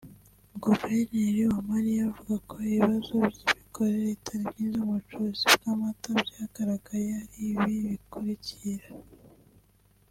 Guverineri Uwamariya avuga ko ibibazo by’imikorere itari myiza mu bucuruzi bw’amata byagaragaye ari ibi bikurikira